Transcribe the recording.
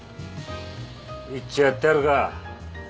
いっちょやってやるか。